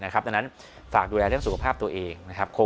ดังนั้นฝากดูแลเรื่องสุขภาพตัวเองนะครับ